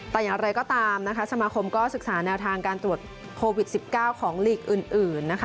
แต่อย่างไรก็ตามนะคะสมาคมก็ศึกษาแนวทางการตรวจโควิด๑๙ของลีกอื่นนะคะ